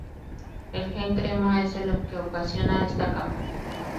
El gen crema es el que ocasiona esta capa.